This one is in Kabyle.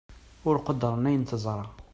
ur quddren ayen teẓṛa